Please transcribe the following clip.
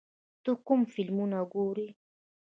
ته کوم فلمونه ګورې؟